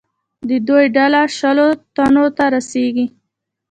د دوی ډله شلو تنو ته رسېږي.